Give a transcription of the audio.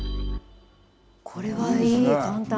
これはいい、簡単。